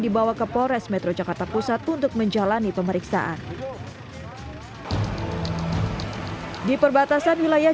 dibawa ke polres metro jakarta pusat untuk menjalani pemeriksaan di perbatasan wilayah